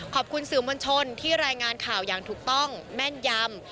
ขอบคุณสื่อมวลชนที่รายงานข่าวอย่างถูกต้องแม่นยำ